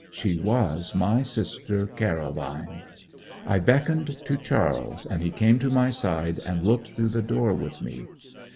She was my sister Caroline. I beckoned to Charles, and he came to my side, and looked through the door with me.